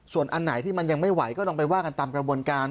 ส่วนอันไหนที่มันยังไม่ไหวก็ลองไปว่ากันตามกระบวนการ